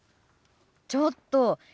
ちょっと！